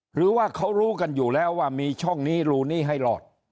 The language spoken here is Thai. หรือว่าเขารู้กันอยู่แล้วว่ามีช่องนี้รูนี้ให้รอด